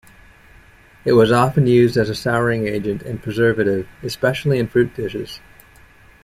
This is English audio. It was often used as a souring agent and preservative, especially in fruit dishes.